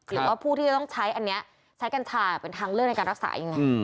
หรือว่าผู้ที่จะต้องใช้อันนี้ใช้กัญชาเป็นทางเลือกในการรักษายังไง